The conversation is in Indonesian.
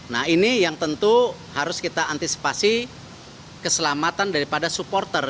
nah ini yang tentu harus kita antisipasi keselamatan daripada supporter